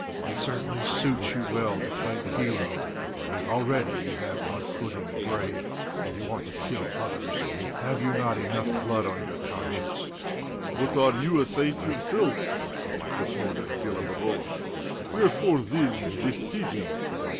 It certainly suits you well to play the hero. Already you have one foot in the grave, and you want to kill others. Have you not enough blood on your conscience?" "But are you a saint yourself?" retorted Béloborodoff. "Wherefore, then, this pity?"